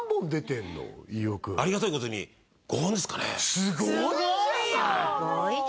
すごいよ！